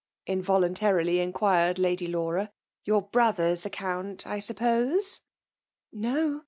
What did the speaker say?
— involuntarily inquirei laly Laura. Your brother's account, I sirp poser No!